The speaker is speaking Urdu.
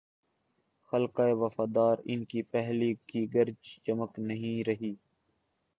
حلقۂ وفاداران کی پہلے کی گرج چمک نہیںرہی۔